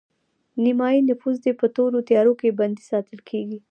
نیمایي نفوس دې په تورو تیارو کې بندي ساتل کیږي